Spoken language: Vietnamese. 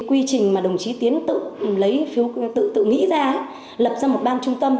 quy trình mà đồng chí tiến tự lấy phiếu tự nghĩ ra lập ra một ban trung tâm